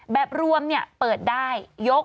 แบบรวมเปิดได้ยก